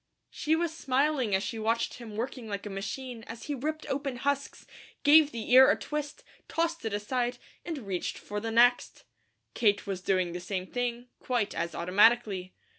She was smiling as she watched him working like a machine as he ripped open husks, gave the ear a twist, tossed it aside, and reached for the next. Kate was doing the same thing, quite as automatically.